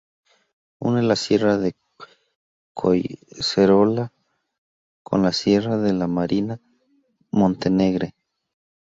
Une la sierra de Collserola con la sierra de la Marina-Montnegre.